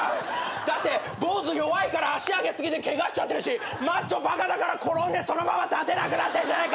だって坊主弱いから足上げ過ぎでケガしちゃってるしマッチョバカだから転んでそのまま立てなくなってんじゃねえか！